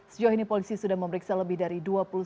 sejauh ini polisi sudah memeriksa lebih dari dua puluh satu